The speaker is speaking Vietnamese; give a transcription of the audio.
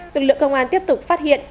lực lượng công an tiếp tục phát hiện